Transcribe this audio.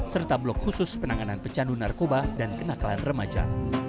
serta blok khusus penanganan pecandu narkoba dan kenakalan remaja